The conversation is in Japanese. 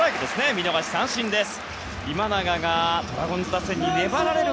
見逃し三振です。